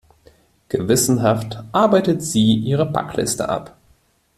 Gewissenhaft arbeitet sie ihre Packliste ab.